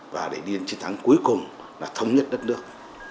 và để đi chiến thắng cuối cùng là thống nhất đất nước